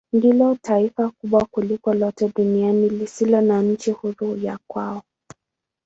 Ndilo taifa kubwa kuliko lote duniani lisilo na nchi huru ya kwao.